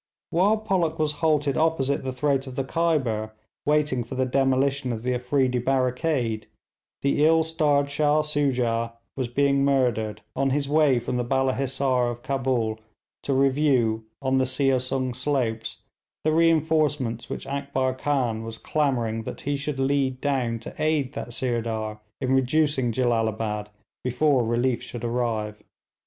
While Pollock was halted opposite the throat of the Khyber waiting for the demolition of the Afreedi barricade, the ill starred Shah Soojah was being murdered, on his way from the Balla Hissar of Cabul to review on the Siah Sung slopes the reinforcements which Akbar Khan was clamouring that he should lead down to aid that Sirdar in reducing Jellalabad before relief should arrive.